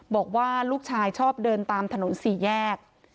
บอกว่าลูกชายชอบเดินตามถนน๔แยก